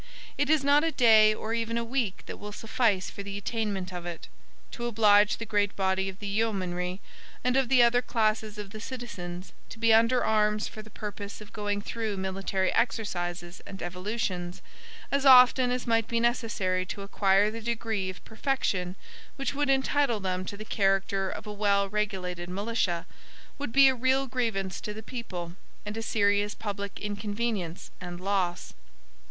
It is not a day, or even a week, that will suffice for the attainment of it. To oblige the great body of the yeomanry, and of the other classes of the citizens, to be under arms for the purpose of going through military exercises and evolutions, as often as might be necessary to acquire the degree of perfection which would entitle them to the character of a well regulated militia, would be a real grievance to the people, and a serious public inconvenience and loss.